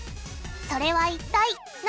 それは一体何？